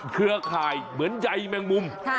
เครือข่ายเหมือนใยแมงมุม